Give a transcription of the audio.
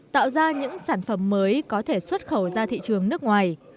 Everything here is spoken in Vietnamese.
tạo ra những sản phẩm mới có thể xuất khẩu ra thị trường nước ngoài